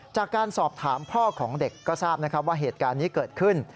จากการสอบถามพ่อของเด็กก็ทราบนะครับว่าเหตุการณ์นี้เกิดขึ้น